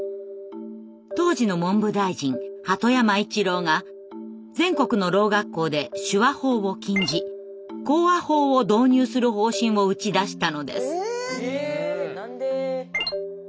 当時の文部大臣鳩山一郎が全国の聾学校で手話法を禁じ口話法を導入する方針を打ち出したのです。